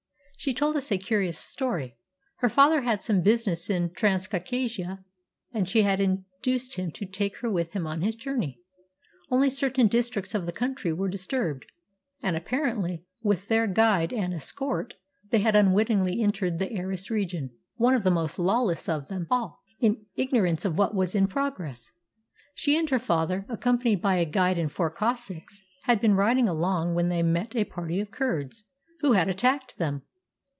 She told us a curious story. Her father had some business in Transcaucasia, and she had induced him to take her with him on his journey. Only certain districts of the country were disturbed; and apparently, with their guide and escort, they had unwittingly entered the Aras region one of the most lawless of them all in ignorance of what was in progress. She and her father, accompanied by a guide and four Cossacks, had been riding along when they met a party of Kurds, who had attacked them.